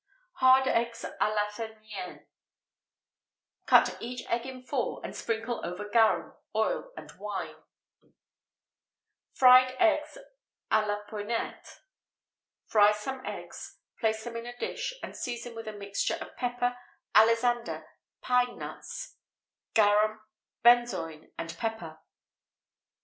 [XVIII 82] Hard Eggs à l'Athénienne. Cut each egg in four, and sprinkle over garum, oil, and wine.[XVIII 83] Fried Eggs à l'Epænète. Fry some eggs; place them in a dish, and season with a mixture of pepper, alisander, pine nuts, garum, benzoin, and pepper.